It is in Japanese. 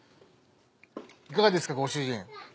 いかがですかご主人。